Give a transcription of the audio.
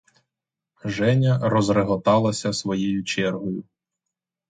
Женя розреготалася своєю чергою.